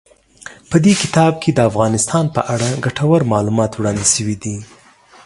په دې کتاب کې د افغانستان په اړه ګټور معلومات وړاندې شوي دي.